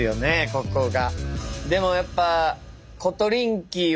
ここが。